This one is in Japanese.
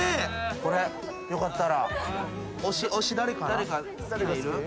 これよかったら。